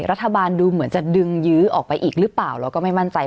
รัฐบาลดูเหมือนจะดึงยื้อออกไปอีกหรือเปล่าเราก็ไม่มั่นใจ